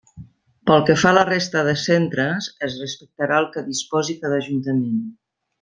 Pel que fa a la resta de centres es respectarà el que disposi cada Ajuntament.